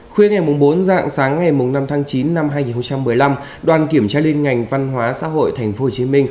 khuya ngày bốn dạng sáng ngày năm tháng chín năm hai nghìn một mươi năm đoàn kiểm tra liên ngành văn hóa xã hội tp hcm